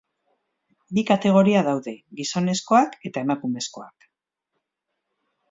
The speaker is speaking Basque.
Bi kategoria daude, gizonezkoak eta emakumezkoak.